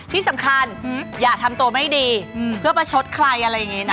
ที่สำคัญอย่าทำตัวไม่ดีเพื่อประชดใครอะไรอย่างนี้นะ